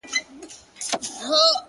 o ډيره ژړا لـــږ خـــنــــــــــدا ـ